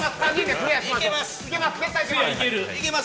いけます！